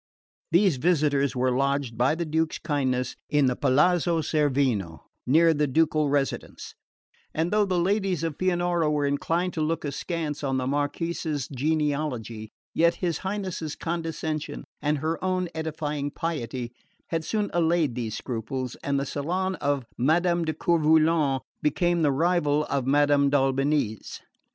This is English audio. These visitors were lodged by the Duke's kindness in the Palazzo Cerveno, near the ducal residence; and though the ladies of Pianura were inclined to look askance on the Marquise's genealogy, yet his Highness's condescension, and her own edifying piety, had soon allayed these scruples, and the salon of Madame de Coeur Volant became the rival of Madame d'Albany's.